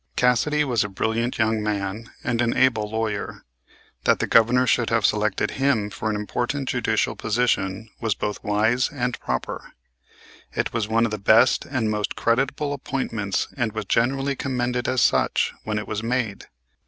Cassidy was a brilliant young man, and an able lawyer. That the Governor should have selected him for an important judicial position was both wise and proper. It was one of his best and most creditable appointments and was generally commended as such when it was made.